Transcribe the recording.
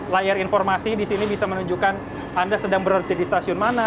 layar informasi disini bisa menunjukkan anda sedang berada di stasiun mana